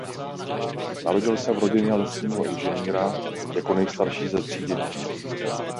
Narodil se v rodině lesního inženýra jako nejstarší ze tří dětí.